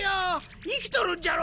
生きとるんじゃろ？